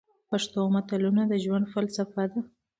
پښتو متلونه د ژوند فلسفه ده.